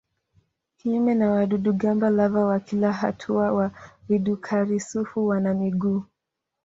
Kinyume na wadudu-gamba lava wa kila hatua wa vidukari-sufu wana miguu.